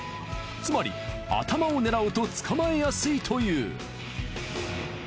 つまり頭を狙うと捕まえやすいという。